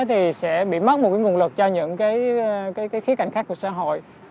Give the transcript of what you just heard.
thì sẽ bị mất một cái nguồn lực cho những cái khí cảnh khác của xã hội